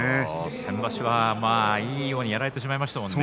先場所は、いいようにやられてしまいましたね。